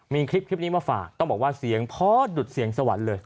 มีคลิปนี้มาฝากต้องบอกว่าเสียงพ่อดุดเสียงสวรรค์เลย